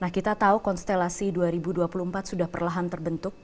kita tahu konstelasi dua ribu dua puluh empat sudah perlahan terbentuk